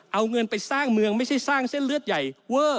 เอาเงินไปสร้างเมืองไม่ใช่สร้างเส้นเลือดใหญ่เวอร์